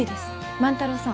万太郎さん